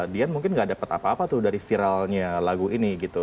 dian mungkin gak dapat apa apa tuh dari viralnya lagu ini gitu